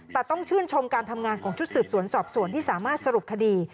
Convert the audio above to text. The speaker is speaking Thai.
แต่ต้องชื่นชมการทำงานของชุดสืบสวนสอบสวนที่สามารถสรุปคดี